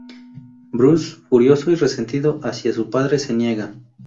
Bruce, furioso y resentido hacia su padre, se niega.